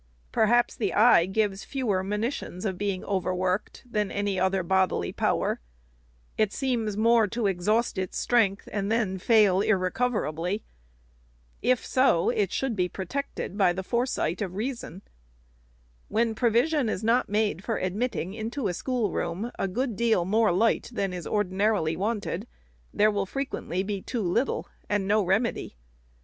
Perhaps the eye gives fewer monitions of being overworked, than any other bodily power. It seems more to exhaust its strength, and then fail irrecoverably. If so, it should be protected by the foresight of reason. When provision is not made for admitting into a schoolroom a good deal more light than is ordinarily wanted, there will frequently be too little, and no remedy.